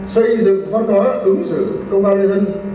xây dựng văn hóa ứng xử công an nhân dân